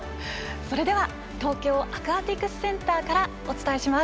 それでは東京アクアティクスセンターからお伝えします。